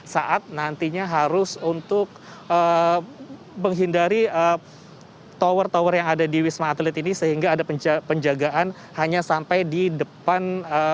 saat nantinya harus untuk menghindari tower tower yang ada di wisma atlet ini sehingga ada penjagaan hanya sampai di depan